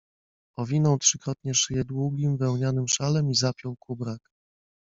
Owinął trzykrotnie szyję długim wełnianym szalem i zapiął kubrak.